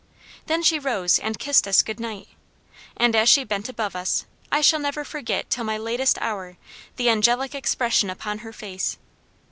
"Then she rose and kissed us good night, and as she bent above us I shall never forget till my latest hour the angelic expression upon her face.